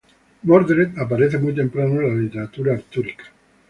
Mordred aparece muy temprano en la literatura artúrica.